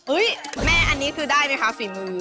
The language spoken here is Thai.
แม่อันนี้คือได้ไหมคะฝีมือ